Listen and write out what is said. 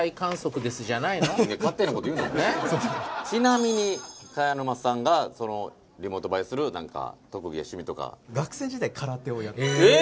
ちなみに栢沼さんがそのリモート映えする何か特技や趣味とか学生時代空手をやってましたえ